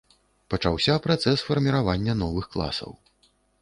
Пачаўся працэс фарміравання новых класаў.